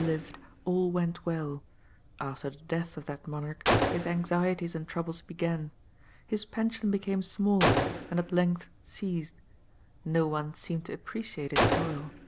lived, all went well; after the death of that monarch his anxieties and troubles began. His pension became smaller, and at length ceased. No one seemed to appreciate his toil.